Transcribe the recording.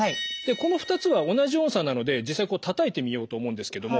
この２つは同じ音叉なので実際たたいてみようと思うんですけども。